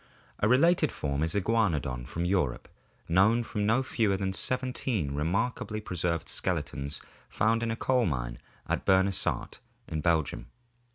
A related form is Iguanodon (Figs. 160; 161; 163, B) from Europe, known from no fewer than seventeen remarkably preserved skeletons found in a coal mine at Bernissart in Belgium.